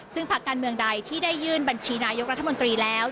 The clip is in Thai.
ซึ่งพักการเมืองใดที่ได้ยื่นบัญชีนายกรัฐมนตรีแล้ว